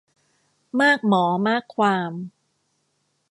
มากหมอมากความ